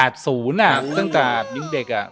ตั้งแต่ยุคเด็กอะ